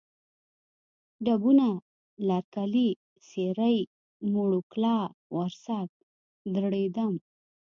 ډبونه، لرکلی، سېرۍ، موړو کلا، ورسک، دړیدم